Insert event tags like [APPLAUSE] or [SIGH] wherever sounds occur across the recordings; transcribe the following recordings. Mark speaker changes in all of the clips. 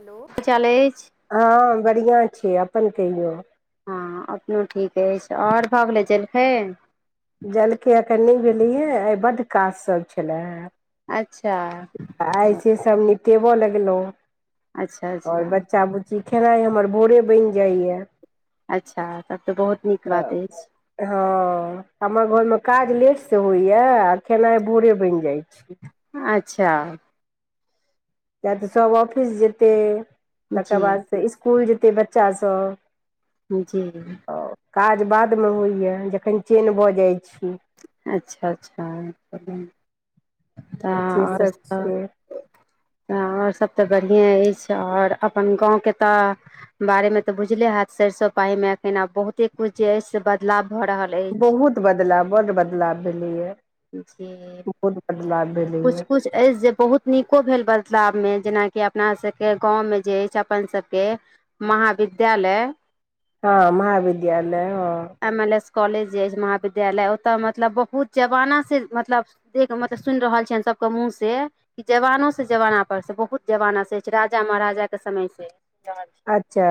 Speaker 1: Hello
Speaker 2: हाल चाल अछि
Speaker 1: हँ बढ़ियाँ छी अपन कहियौ
Speaker 2: हँ अपनो ठीक अछि आओर भऽ गेलै जलखैय
Speaker 1: जलखैय अखनी नै भेलियै आइ बड्ड काजसभ छलैे
Speaker 2: अच्छा
Speaker 1: आय सब मेटेबो लगलो
Speaker 2: अच्छा
Speaker 1: ओर
Speaker 2: अच्छा
Speaker 1: बच्चा बुची जे खेनाइ हमर भोरे बनि जाइए
Speaker 2: अच्छा सभ तऽ बहुत नीक बात अछि
Speaker 1: हँ हमर घरमे काज लेटसे होइए आ खेनाइ भोरे बनि जाइ छै
Speaker 2: अच्छा
Speaker 1: किएक तऽ सभ ऑफिस जेतै तकर
Speaker 2: जी
Speaker 1: बादसँ इसकुल जेतै बच्चासभ
Speaker 2: जी
Speaker 1: काज बादमे होइए जखन चेन भऽ जाइ छी
Speaker 2: अच्छा अच्छा तऽ
Speaker 1: से
Speaker 2: आओर
Speaker 1: सब
Speaker 2: सभ
Speaker 1: छै
Speaker 2: त आओर सभ तऽ बढ़िएँ अछि आओर अपन गाँवके तऽ बारे मे तऽ बुझले हत सरसो पाही मे अखन आ बहुते कुछ जे अछि से बदलाव भऽ रहल अछि
Speaker 1: बहुत बदलाव बड्ड बदलाव भेलैए
Speaker 2: जी
Speaker 1: बहुत बदलाव
Speaker 2: किछु
Speaker 1: भेलैये
Speaker 2: किछु अछि जे बहुत नीको भेल बदलाव मे जेनाकि अपना सबके गाँवमे जे अछि अपन सभके महाविद्यालय
Speaker 1: हँ महाविद्यालय हँ
Speaker 2: एम एल एस कॉलेज जे महाविद्यालय ओतऽ मतलब बहुत जमाना से मतलब देख मतलब सुनि रहल छियनि सबके मुँह से कि जवानो से जवाना पर से बहुत जबाना से छै राजा महाराजाके समयसँ छै
Speaker 1: अच्छा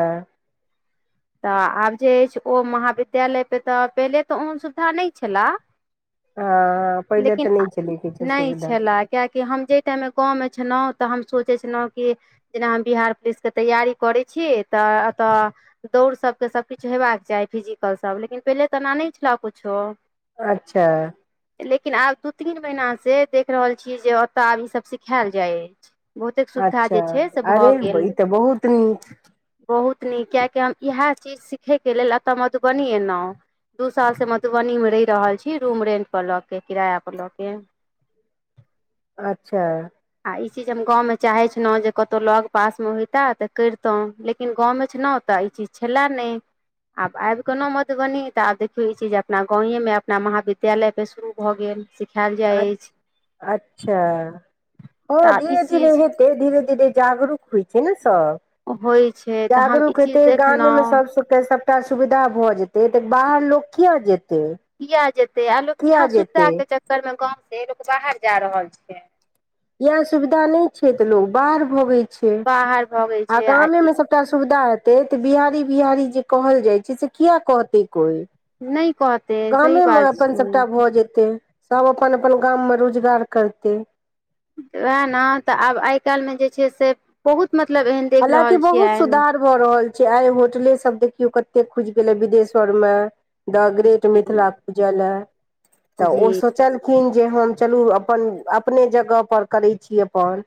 Speaker 2: तऽ आब जे अछि ओ महाविद्यालयपे तऽ पहिले तऽ ओहन सुविधा नहि छलह
Speaker 1: हँ पहिले तऽ नहि छलै किछु सुविधा
Speaker 2: कियेकि हम जाहि टाइममे गाँवमे छलहुँ तऽ हम सोचै छलहुँ कि जेना हम बिहार पुलिसके तैयारी करै छी तऽ एतय दौड़ सबके सबकिछु हेबाक चाही फिजिकल सब लेकिन पहिले तऽ एना नहि छले कुछो
Speaker 1: अच्छा
Speaker 2: लेकिन आब दू तीन महिनासँ देख रहल छियै जे ओतय आब ईसभ सिखायल जाइ अछि बहुतेक सुविधा
Speaker 1: अच्छा
Speaker 2: जे छै से भए
Speaker 1: अरे
Speaker 2: गेल
Speaker 1: ई तऽ बहुत नीक
Speaker 2: बहुत नीक कियकि हम इएह चीज सिखे के लेल एतऽ मधुबनी एलौं दू सालसँ मधुबनीमे रहि रहल छी रूम रेंट पर लऽ के किराय पर लऽ के
Speaker 1: अच्छा
Speaker 2: आ ई चीज हम गाँवमे चाहैत छलहुँ जे कतहु लग पास मे होइते तऽ करितहुँ लेकिन लेकिन गाँव मे छेलौं ओतय ई चीज छलए नहि आब आबि गेलौं मधुबनी तऽ आब देखियौ ई चीज अपना गाँवेमे अपना महाविद्यालय पर शुरू भऽ गेल सिखायल
Speaker 1: अ-
Speaker 2: जाइत अछि
Speaker 1: अच्छा
Speaker 2: तऽ
Speaker 1: हँ
Speaker 2: आब ई
Speaker 1: धीनेे धीरे
Speaker 2: चीज
Speaker 1: हैत धीरे धीरे जागरूक होइ छै ने सब
Speaker 2: होइ छै तऽ हम ई
Speaker 1: जागरूक
Speaker 2: चीज
Speaker 1: होेते गाममे
Speaker 2: देखलहुँ
Speaker 1: सबसँ ऐते सबटा सुविधा भऽ जेतै तऽ बाहर लोग किये जेतै
Speaker 2: किये जेते आ लोग
Speaker 1: किया
Speaker 2: ईहे
Speaker 1: जेतै
Speaker 2: सुविधा के चक्कर मे गाँंव से लोक बाहर जा रहल छै
Speaker 1: इएह सुविधा नहि छै तऽ लोग बाहर भगैय छै
Speaker 2: बाहर भगै
Speaker 1: आ
Speaker 2: छै
Speaker 1: गामेमे सब एकटा सुविधा हेते तऽ बिहारी बिहारी जे कहल जाय छै से किया कहते कोइ
Speaker 2: नहि कहत
Speaker 1: गामेमे अपन सभटा भऽ जेतै सभ अपन अपन गाममे रोजगार करतै
Speaker 2: वएह ने तऽ आब आइ काल्हि मे जे छै से बहुत मतलब एहन देख
Speaker 1: हालाकि
Speaker 2: रहल
Speaker 1: बहुत
Speaker 2: छियनि
Speaker 1: सुधार भऽ रहल छै आइ होटले सब देखियौ कते खुजि गेलै विदेशवर मे द ग्रेट मिथिला
Speaker 2: जी
Speaker 1: पूजले है ओ
Speaker 2: जी
Speaker 1: सब चलखिन जे हम चलू अपन अपने जगहपर करैत छी अपन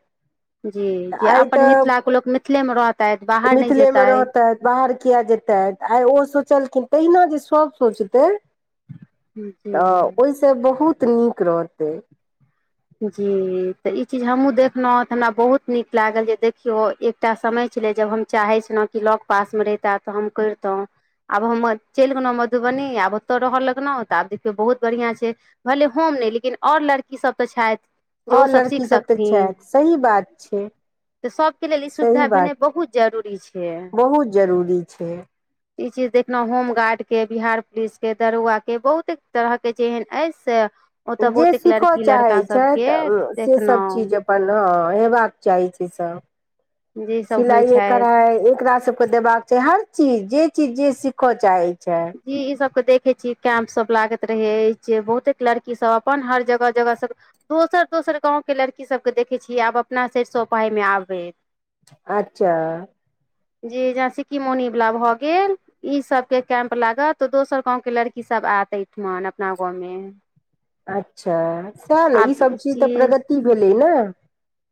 Speaker 2: जी जे
Speaker 1: तऽ आइ
Speaker 2: अपन
Speaker 1: तऽ
Speaker 2: मिथिलाके लोक मिथिलेमे रहतै बाहर नहि
Speaker 1: मिथिलेमे
Speaker 2: जेतेय
Speaker 1: रहतथि बाहर कियै जेतै आइ ओ सोचलखिन तहिना जे सभ सोचतै तऽ
Speaker 2: जी
Speaker 1: ओहिसे बहुत नीक रहतै
Speaker 2: जी तऽ ई चीज हमहूँ देखलहुँ हँ तऽ हमरा बहुत नीक लागल जे देखियौ एक एकटा समय छलै जब हम चाहैत छलहुँ कि लग पासमे रहिता तऽ हम करितहुँ आब हम चलि गेलहुँ मधुबनी आब ओतय रहल लगलहु तऽ आब देखियौ बहुत बढ़िया छै भले हम नहि लेकिन और लड़कीसभ तऽ छथि जे
Speaker 1: आओर
Speaker 2: ओसभ सीख
Speaker 1: लड़की सब तऽ
Speaker 2: सकथिन
Speaker 1: छथि सही बात छै
Speaker 2: तऽ सभके लेल ई सुविधा
Speaker 1: सही
Speaker 2: भेनाइ
Speaker 1: बात छै
Speaker 2: बहुत जरूरी छै
Speaker 1: बहुत जरूरी छै
Speaker 2: ई चीज देखलहु होमगार्ड के बिहार पुलिस के दरोगा के बहुते तरह करै छै एहन अइ से ओतऽ
Speaker 1: जे
Speaker 2: बहुतेक
Speaker 1: सीख
Speaker 2: लड़की लड़का
Speaker 1: चाहैत
Speaker 2: सबके
Speaker 1: छथि से सभ चीज
Speaker 2: देखलहुँ
Speaker 1: अपन अपन हँ हेबाक चाही छै सभ
Speaker 2: जे सब होइ
Speaker 1: सिलाइए
Speaker 2: छथि
Speaker 1: कराय एकरा सबके देबाक हर चीज जे चीज जे सीखऽ चाहैत छै
Speaker 2: जी ई सब के देखै छी कैंप सब लागैत रहै अछि बहुतेक लड़की सब अपन हर जगह जगह सब दोसर दोसर गाँवके लड़की सभके देखैत छियै आब अपना सरिसब पाही मे आबैत
Speaker 1: अच्छा
Speaker 2: जी जे सिक्की मोनी वाला भए गेल ई सब के कैम्प लागत तऽ दोसर गांव के लड़की सब आयत एहिठमन अपना गाँव मे
Speaker 1: अच्छा सएह ने ई सभ चीज तऽ प्रगति भेलै ने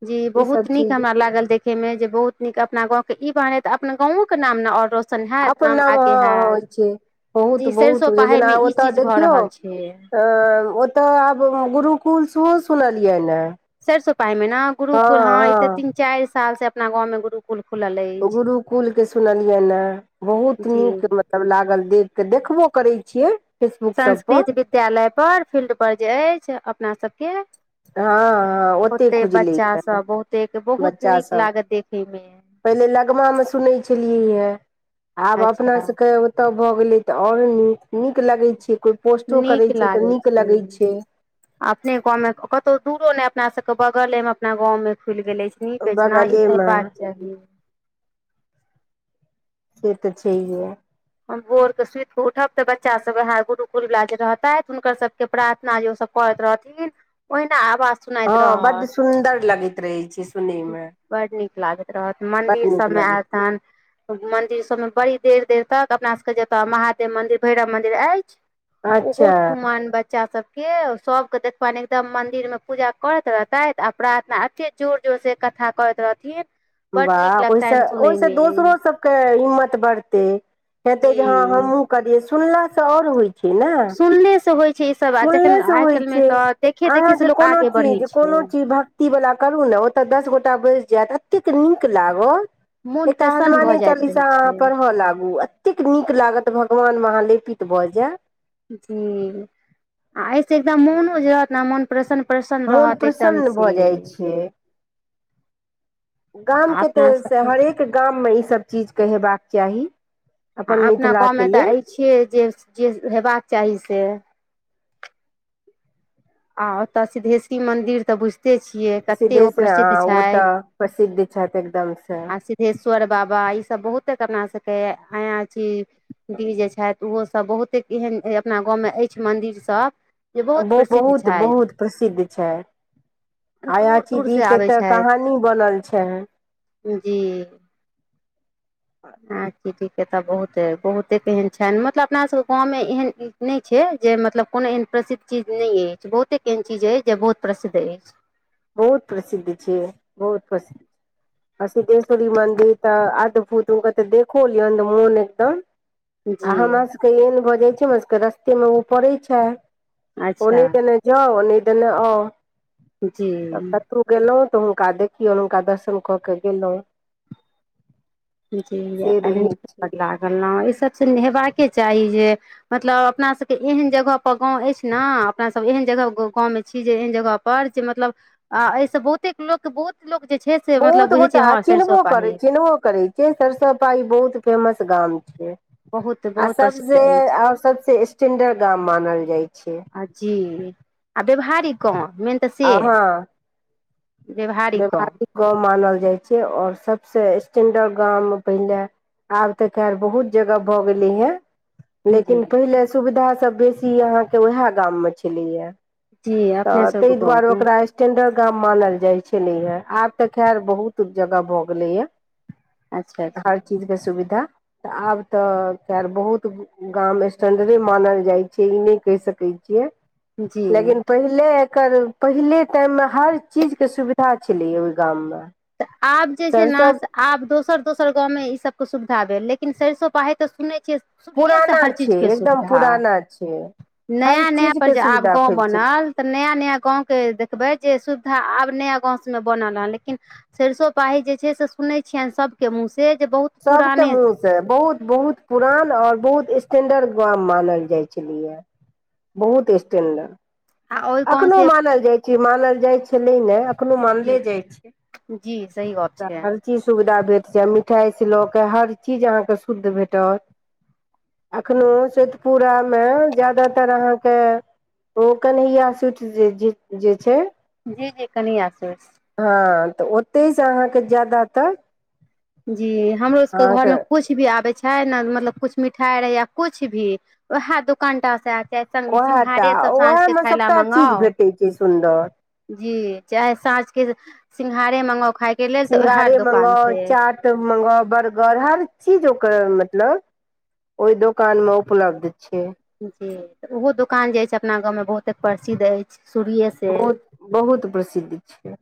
Speaker 2: जी
Speaker 1: ईसभ
Speaker 2: बहुत नीक
Speaker 1: चीज
Speaker 2: हमरा लागल देख े में जे बहुत नीक अपना गाँं के ई बाने त अप गं के नाम नऽ ओर सन हैत
Speaker 1: अपन
Speaker 2: नाम आगे
Speaker 1: हँ
Speaker 2: हैत
Speaker 1: होइ छै बहुत
Speaker 2: जी
Speaker 1: बहुत
Speaker 2: सरिसब पाही
Speaker 1: जेना
Speaker 2: मे ई
Speaker 1: ओतय
Speaker 2: चीज भऽ
Speaker 1: देखियौ
Speaker 2: रहल छै
Speaker 1: अ ओतय आब गुरुकुल सेहो सुनलियै ने
Speaker 2: सरिसब पाही में न
Speaker 1: हँ
Speaker 2: गुरुकुल हां एते
Speaker 1: हँ
Speaker 2: तीन चारि साल से अपना गाँव मे गुरुकुल खुलल अइ
Speaker 1: गुरुकुल के सुनलियनि ह बहुत
Speaker 2: जी
Speaker 1: नीक मत तब लागल देख केऽ देखबो करै छियै फेसबुक सब पर
Speaker 2: संस्कृत विद्यालय पर फील्ड पर जे अछि अपना सभ केँ
Speaker 1: हँ हँ
Speaker 2: ओते
Speaker 1: खुजलै
Speaker 2: बच्चा सब बहुतेक बहुत
Speaker 1: बच्चा
Speaker 2: नीक
Speaker 1: सब
Speaker 2: लागत देखै मे
Speaker 1: पहिले लगमामे सुनैत छलियै हे आब अपना
Speaker 2: अच्छा
Speaker 1: सभके तब भऽ गेले तऽ और नीक नीक लगै छै कोय पोस्टो
Speaker 2: नीक
Speaker 1: करै छै तऽ
Speaker 2: लागै
Speaker 1: नीक लगै छै
Speaker 2: अपने गाँव मे कतहु दूरो न अपना सबके बगल ए अपना गाँव मे खुलि गेलेनी
Speaker 1: बगले मे
Speaker 2: की [INAUDIBLE]
Speaker 1: से तऽ छैैहे
Speaker 2: हम भोरके सुति कऽ उठब तऽ बच्चा सब उएह गुरुकुल वला जे रहतथि हुनकर सबके प्रार्थना जे ओसभ करैत रहथिन ओहिना आवाज सुनाइत
Speaker 1: हँ बड
Speaker 2: रहत
Speaker 1: सुन्दर लगैत रहै छै सुनै मे
Speaker 2: बड नीक लागैत रहत मंदिर
Speaker 1: बड नीक
Speaker 2: सबमे
Speaker 1: लगै
Speaker 2: आयतन मंन्दिर सबमे बड़ी देर देर तक अपना सबके जतऽ महादेव मन्दिर भैरव मन्दिर अछि ओहो
Speaker 1: अच्छा
Speaker 2: ठुमान बच्चा सब के सबके देखबान एकदम मंदिर में पूजा करैत रहतैक आ प्रार्थना अे जोर जो से कथा कहैत रहथिन बड नीक
Speaker 1: वाह ओहिसँ
Speaker 2: लगतनि सुनय
Speaker 1: ओहिसँ
Speaker 2: मे
Speaker 1: दोसरो सब के हिम्मत बढ़ते हेते जे हँ
Speaker 2: जी
Speaker 1: हमहुँ करिये सुनला से आऔर होइ छै ने
Speaker 2: सुनले से होइ छै ई सब आ जखन
Speaker 1: सुनलेसँ
Speaker 2: आइ
Speaker 1: होइ
Speaker 2: काल्हि मे
Speaker 1: छै
Speaker 2: तऽ देखे देखे से लोग आगे बढ़े छै
Speaker 1: ती वाला करू ने ओतऽ दस गोटा बैसि जायत एतेक नीक लागत
Speaker 2: मोन
Speaker 1: एटा
Speaker 2: प्रसन्न भऽ
Speaker 1: हनुमाने
Speaker 2: जाइत रहै
Speaker 1: चालीसा
Speaker 2: छै
Speaker 1: पढ़बय लागू एतेक नीक लागत भगवानमे अहाँ लेपित भ जाय
Speaker 2: जी आ एहिसे एकदम मोनो [UNINTELLIGIBLE] प्रसन्न प्रसन्न
Speaker 1: मोन
Speaker 2: रहत एकदम
Speaker 1: प्रसन्न भऽ
Speaker 2: से
Speaker 1: जाइ छै
Speaker 2: आ
Speaker 1: गामके त
Speaker 2: अपना
Speaker 1: से
Speaker 2: सबके
Speaker 1: हरेक गाममे ईसभ चीजके हेबाक चाही अपन मिथिला के ले
Speaker 2: ते जे जे हेबाक चाही से आ ओत सिधेश्वरी मन्दिर त बुझ कते छियै कते ओ
Speaker 1: सिद्धेश
Speaker 2: प्रसिद्ध
Speaker 1: आ
Speaker 2: छै
Speaker 1: ओ तऽ प्रसिद्ध छथि एकदम से
Speaker 2: आस तेश्वर बाबा ई सब बहुते अपना सके अयाची डिह जे छैथ ओहो सब बहुते एहन अपना गाँव में अछि मंदिर सब जे बहुत प्रसिद्ध
Speaker 1: त
Speaker 2: छथि
Speaker 1: बहुत प्रसिद्ध छै
Speaker 2: दूर
Speaker 1: आयाची डी
Speaker 2: दूरसँ
Speaker 1: के
Speaker 2: आबै
Speaker 1: ते
Speaker 2: छथि
Speaker 1: कहानी बनल छैे
Speaker 2: जी ह चीठीके तऽ बहुते बहुते एहन छनि मतलब अपना सबके गाँव मे एहन नहि छै जे मतलब कोनो एहन प्रसिद्ध चीज नहि अछि बहुते एहन चीज अछि जे बहुत प्रसिद्ध अछि
Speaker 1: बहुत प्रसिद्ध छिय बहुत प्रसिद् आ सिद्धेश्वरी मन्दिर त अद्भुत उनका त देखो लियौन त मोन एकदम
Speaker 2: जी
Speaker 1: आ हमरा सबके एहेन भ छै हमर सभके रस्ते मे ऊ पड़े छै
Speaker 2: अच्छा
Speaker 1: ओने देने जाओ ओने दने आओ
Speaker 2: जी
Speaker 1: तू गेलहुँ त हुनका देखियौ हुनका दर्शन क के गेलहुॅँ
Speaker 2: ज
Speaker 1: से रहै छै
Speaker 2: लागल न ईसभसँ चीज हेबाके चाही जे मतलब अपना सभ के एहन जगह पर गाँव अछि ने अपना सभ एहन जगह गाँवमे छी जे एहन जगह पर जे मतलब आ एहिस बहुतेक लोक बहुत लोक जे छै से मतलब
Speaker 1: बहुत
Speaker 2: बुझै छै
Speaker 1: गोटा
Speaker 2: हँ सरिसो
Speaker 1: चिन्हबो करै
Speaker 2: पाही
Speaker 1: चिन्हबो करै से सरिसब पाही बहुत फेमस गाम छै
Speaker 2: बहुत
Speaker 1: आ
Speaker 2: बहुत प्रसिद्ध
Speaker 1: सबसे
Speaker 2: अछि
Speaker 1: और सबसे स्टेंडर्ड गाम मानल जाइ छै
Speaker 2: जी आ व्यवहारी गाँव मेन तऽ से
Speaker 1: आहाँ व्यवहारिक गांव मानल जाइ छै आओर सभसँ स्टैंडर्ड गाममे पहिले आब त खैर बहुत जगह भ गेलै हैं
Speaker 2: जी
Speaker 1: लेकिन पहिले सुविधा सब बेसी अहाँके उएह गाम मे छलैया
Speaker 2: जी अपने
Speaker 1: तऽ
Speaker 2: सब
Speaker 1: ताहि दुआरे
Speaker 2: गाँवमे
Speaker 1: ओकरा स्टेंडर्ड गाम मानल जाय छले हे आब त‌खैर बहुत जगह भ गेले हे
Speaker 2: अच्छा अच्छा
Speaker 1: चीज के सुविधा त आब त‌ केर बहुत गाम स्टंडरे मानल जाइ छै ई नहि कहि सकै छियै
Speaker 2: जी
Speaker 1: लेकिन पहिले एकर पहिले टाइम मे हर चीज के सुविधा छलैया ओहि गाममे
Speaker 2: त आब जे छै ने आब दोसर दोसर गाँवमें ई सब के सुविधा भेल लेकिन सरिसब पाही त सुनने छियै सुरये से
Speaker 1: पुराना
Speaker 2: हर
Speaker 1: छै
Speaker 2: चीजके
Speaker 1: एकदम
Speaker 2: सुविधा
Speaker 1: पुराना छै हर
Speaker 2: नया नया
Speaker 1: चीज
Speaker 2: पर
Speaker 1: के
Speaker 2: जे आब
Speaker 1: सुविधा
Speaker 2: गाँव
Speaker 1: फेर छै
Speaker 2: बनल त नया नया गांवके देखबै जे सुविधा आब नया गाँंव सबमे बनल ह लेकिन सरिसब पाही जे छै से सुनै छियनि सभके मुँह से जे बहुत
Speaker 1: सबके
Speaker 2: पुराने
Speaker 1: मु से बहुत बहुत पुरान और बहुत स्टेंडर्ड गाँव मानल जाय छलैया बहुत स्टेंडर्ड
Speaker 2: आ ओहि गाँव
Speaker 1: अखनो
Speaker 2: से
Speaker 1: मानल जाइ छै मानल जाइ छलै ने कखनो मानले
Speaker 2: जी
Speaker 1: जाइ छै
Speaker 2: जी सही गप छै
Speaker 1: त चीज सुविधा भेट जाय मिठाइ से ल‌के हर चीज अहाँके शुद्ध भेटत अखनो शोइतपुरा मे जदातर अहाँके ओ कन्हैया चुट जे छै [UNINTELLIGIBLE]
Speaker 2: जी जी कनि आसु
Speaker 1: हँ त ओतहिसँ अहाँके ज्याद त
Speaker 2: जी हमरो सबके घर में कुछ कुछ भी आबै छै ने मतलब कुछ मिठाई रहै या कुछ भी वएह दोकानटा से आबै च
Speaker 1: ओएह टा
Speaker 2: सिंघारे सब साँझ
Speaker 1: ओएह
Speaker 2: के
Speaker 1: मे
Speaker 2: खायला
Speaker 1: सबटा चीज
Speaker 2: मंगाउ
Speaker 1: भेटै छै सुन्दर
Speaker 2: जी चाहे साँझ के सिंघारे मंगाउ खाय
Speaker 1: सिंघाड़े मंगाउ चाट मंगाउ बर्गर हर चीज ओकर मतलब ओय दोकान मे उपलब्ध छै
Speaker 2: जी त ओहो दुकान जे अछि अपना गाँव में बहुते प्रसिद्ध अछि शुरू‌एसँ
Speaker 1: बहुत बहुत प्रसिद्ध छैय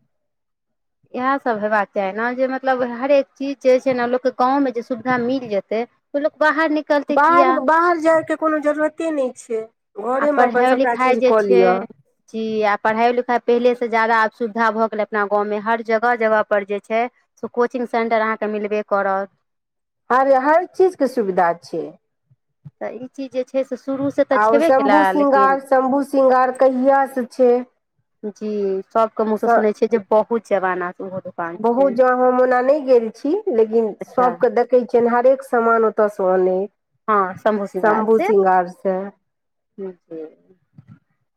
Speaker 2: इएहसभ हयबाक चाही न जे मतलब हरेक चीज जे छै न लोकके गाँवमे जे सुविधा मिल जेतै मतब बाहर निकल
Speaker 1: बाहर बाहर जायके कोनो जरूरते नहि छै
Speaker 2: आ
Speaker 1: घरेमे अपन
Speaker 2: पढ़ाइ
Speaker 1: सभटा
Speaker 2: लिखाइ
Speaker 1: चीज
Speaker 2: जे
Speaker 1: कऽ
Speaker 2: छै
Speaker 1: लिअ
Speaker 2: जी आ पढ़ाईयो लिखाईयो पहिले से जैदा आब सुविधा भए गेले अपना गाँवं मे हर जगह जगह पर जे छै से कोचिंग सेंटर अहाँके मिलबे करत
Speaker 1: हर हर चीजके सुविधा छै
Speaker 2: तऽ ई [UNINTELLIGIBLE] शुरू सतऽ
Speaker 1: आ ओ
Speaker 2: छेने
Speaker 1: शम्भू
Speaker 2: कलय लेकिन
Speaker 1: श्रृंगार शम्भू श्रृंगार कहियासँ छै
Speaker 2: जी सबके मुँह स सुनै छियै जे बहुत जवाना ओहो दुकान
Speaker 1: बहुत
Speaker 2: छै
Speaker 1: ज हम ओना नहि गेल छी लेकिन
Speaker 2: अच्छा
Speaker 1: सबके देख कहै छिय हरेक समामान ओतय स अन शम्भू श्रृंगार स
Speaker 2: ज ज [UNINTELLIGIBLE]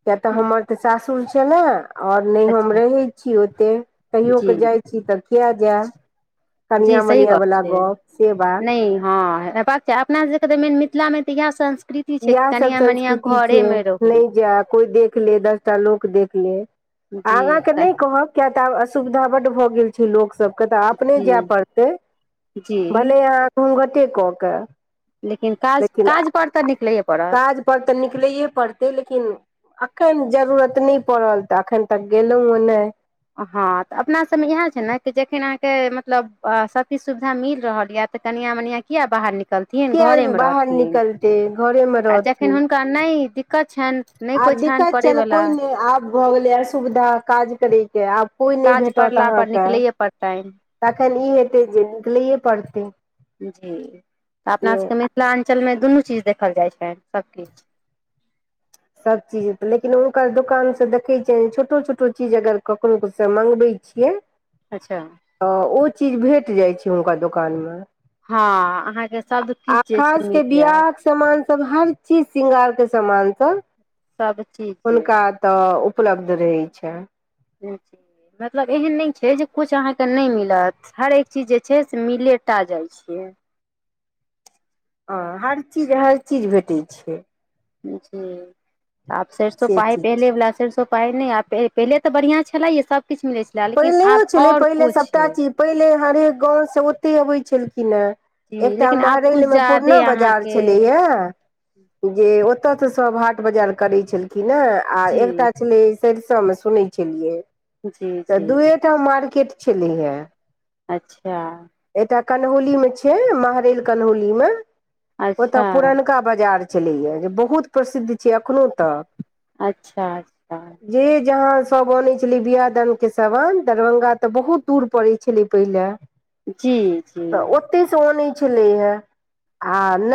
Speaker 1: किया तऽ हमर तऽ सासुर छै ने आओर नहि हम
Speaker 2: अच्छा
Speaker 1: रहै छी ओते कहियो क
Speaker 2: जी
Speaker 1: जाइ छी तऽ किया जायब
Speaker 2: जी
Speaker 1: कनिया
Speaker 2: सही
Speaker 1: मनिया
Speaker 2: गप
Speaker 1: बला
Speaker 2: छै
Speaker 1: गप से बात
Speaker 2: नहि हँ अपना सब के तऽ मेन मिथिला मे तऽ इएह संस्कृति छै कि
Speaker 1: इएह सब
Speaker 2: कनिया मनिया
Speaker 1: संस्कृति छै
Speaker 2: घरेमे रहू
Speaker 1: नै जाय कोई देख ले दर् टा लोक देख ले
Speaker 2: जी
Speaker 1: आहाँ के नहि कहब किया तऽ आब असुविधा बड भऽ गेल लोक सबके तऽ अपने
Speaker 2: जी
Speaker 1: जाए पड़तै
Speaker 2: जी
Speaker 1: भले अहाँ घूँघटे कऽ के
Speaker 2: लेकिन काज
Speaker 1: लेकिन
Speaker 2: काज पर तऽ निकलैयए पड़त
Speaker 1: काज पर तऽ निकलैए पड़तै लेकिन अखन जरूरत नहि पड़ल तऽ अखन तक गेलौ यं नाई
Speaker 2: हँ तऽ अपना सबमे इएह छै ने कि जखन अहाँके मतलब सबकिछु सुविधा मिल रहल यऽ कन्या मनया किया बाहर निकलथिन
Speaker 1: किया
Speaker 2: घरे मे
Speaker 1: बाहर
Speaker 2: रहथिन
Speaker 1: निकलते घरे मे रहथिन
Speaker 2: हुनका नहि दिकत छनि नहि कोइ
Speaker 1: आब
Speaker 2: छनि
Speaker 1: दिक्कत छै न
Speaker 2: करयवला
Speaker 1: कोइ नहि आब भऽ गेलए असुविधा काज करयके आब कोइ नहि
Speaker 2: काज
Speaker 1: भेटत
Speaker 2: पड़ला पर
Speaker 1: अहाँके
Speaker 2: निकलैए पड़तनि
Speaker 1: तखन ई हेतै जे निकलैए पड़तै
Speaker 2: जी तऽ
Speaker 1: से
Speaker 2: अपनासभके मिथिलाञ्चलमे दुनू चीज देखल जाइत छै सभकिछु
Speaker 1: सब चीज लेकिन हुनकर दोकान से देखैत छियनि छोटो छोटो चीज अगर कखनो मँगबए छियै
Speaker 2: अच्छा
Speaker 1: तऽ ओ चीज भेट जाइ छै हुनका दोकानमे
Speaker 2: हँ अहाँके सबदकिछु जे छै
Speaker 1: खास
Speaker 2: मिल
Speaker 1: के
Speaker 2: जायत
Speaker 1: बियाह के सामान सब हर चीज श्रृंगार के समामान सब
Speaker 2: सबचीज
Speaker 1: हुनका तऽ उपलब्ध रहैत छनि
Speaker 2: जी मतलब एहन नहि छै जे किछु अहाँके नहि मिलत हरेएक चीज जे छै से मिलेटा जाइ छियै
Speaker 1: ह हर चीज हर चीज भेटै छै
Speaker 2: जे त आब सरसो
Speaker 1: से
Speaker 2: पाहि
Speaker 1: चीज
Speaker 2: पहिले
Speaker 1: छै
Speaker 2: वला सरसो पे पेहने तऽ बढ़िया छलेये सब कििछ मिले
Speaker 1: पहिलहिओ छलै पहिले सभटा चीज पहिले हरेक गाँवसँ ओतए अबै छलखिन हेँ
Speaker 2: जी
Speaker 1: एकटा
Speaker 2: लेकिन आब कुछ
Speaker 1: महरैलमे पुरना
Speaker 2: जादे
Speaker 1: बाजार
Speaker 2: अहाँके
Speaker 1: छलै ए जे ओत तऽ सभ हाट बाजार करै छलखिन हें आ
Speaker 2: जी
Speaker 1: एकटा छलै सरिसो मे सुनै छलियै
Speaker 2: जी
Speaker 1: तऽ
Speaker 2: जी
Speaker 1: दूए टा मार्केट छलै हे
Speaker 2: अच्छा।
Speaker 1: एता कन्होलीमे छै, महरैल कन्होली मे ओतऽ
Speaker 2: अच्छा
Speaker 1: पुर एतका बाजार चलैएा जे बहुत प्रसिद्ध छै, एखनो तक
Speaker 2: अच्छा, अच्छा।
Speaker 1: जे जहा सभ आनै छले बियाह दान। के सान दरभंगा तऽ बहुत दूर पड़ैत छलै पहिले।
Speaker 2: जी, जी।
Speaker 1: ओते से आने छियेया हे आ नहि